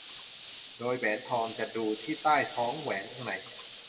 โดยแหวนทองจะดูที่ใต้ท้องแหวนข้างใน